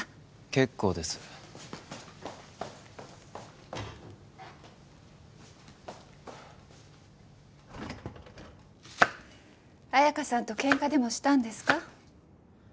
結構です綾華さんとケンカでもしたんですか？